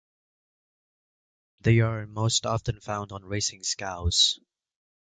They are most often found on racing scows.